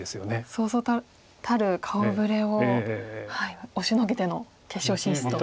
そうそうたる顔ぶれを押しのけての決勝進出と。